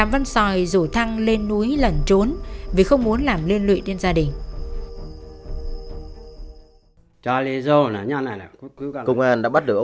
khi biết sự việc đã bị bài lộ